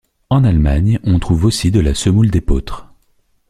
En Allemagne, on trouve aussi de la semoule d'épeautre.